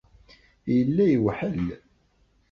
Yella yewḥel.